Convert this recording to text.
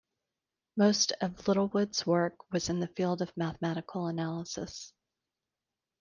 Most of Littlewood's work was in the field of mathematical analysis.